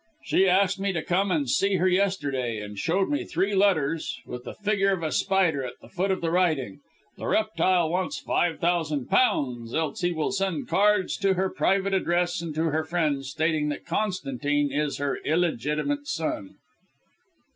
"She asked me to come and see her yesterday, and showed me three letters, with the figure of a spider at the foot of the writing. The reptile wants five thousand pounds, else he will send cards to her private address and to her friends stating that Constantine is her illegitimate son."